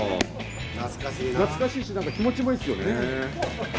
懐かしいし何か気持ちもいいっすよね。